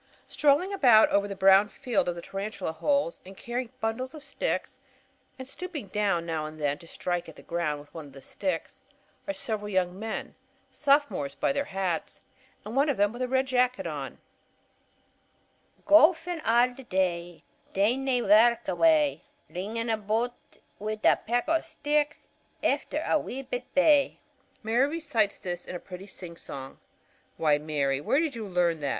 Strolling about over the brown field of the tarantula holes and carrying bundles of sticks, and stooping down now and then to strike at the ground with one of the sticks, are several young men, Sophomores by their hats, and one of them with a red jacket on: "Gowfin' a' the day, Daein' nae wark ava'; Rinnin' aboot wi' a peck o' sticks Efter a wee bit ba'!" Mary recites this in a pretty singsong. "Why, Mary, where did you learn that?"